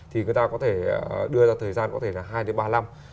thì người ta có thể đưa ra thời gian có thể là hai đến ba năm